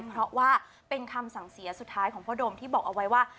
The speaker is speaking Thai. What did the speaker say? เพราะว่าเป็นคำสั่งเสียสุดท้ายของพ่อโดมที่บอกเอาไว้ว่า